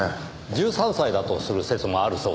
１３歳だとする説もあるそうですよ。